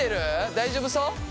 大丈夫そう？